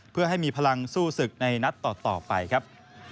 เพื่อให้มีพลังสู้ศึกในนัดต่อไปครับ